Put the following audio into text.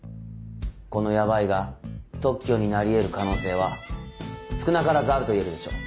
この「ヤバい」が特許になり得る可能性は少なからずあると言えるでしょう。